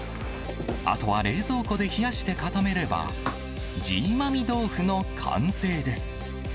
あとは冷蔵庫で冷やして固めれば、ジーマミ豆腐の完成です。